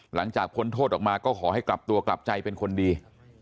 พ้นโทษออกมาก็ขอให้กลับตัวกลับใจเป็นคนดี